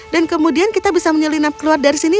dan kemudian kita bisa menyelinap keluar dari sini